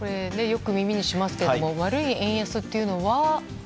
よく耳にしますけれども悪い円安というのは？